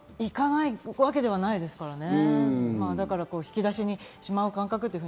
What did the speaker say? でも、行かないわけではないですからね。